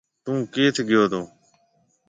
ٿُون ڪيٿ گيو تو